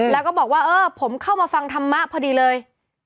แล้วก็บอกว่าเออผมเข้ามาฟังธรรมะพอดีเลย